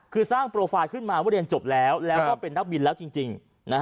คือสร้างโปรไฟล์ขึ้นมาว่าเรียนจบแล้วแล้วก็เป็นนักบินแล้วจริง